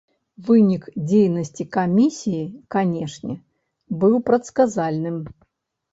Вынік дзейнасці камісіі, канешне, быў прадказальным.